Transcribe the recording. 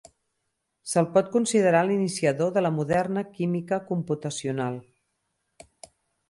Se'l pot considerar l'iniciador de la moderna química computacional.